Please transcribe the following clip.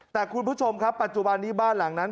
แต่คุณผู้ชมครับปัจจุบันนี้บ้านหลังนั้น